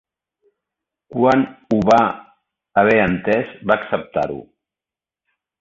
Quan ho va haver entès va acceptar-ho